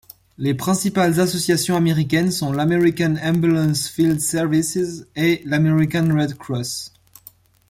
Les principales associations américaines sont l'American Ambulance Field Service et l'American Red Cross.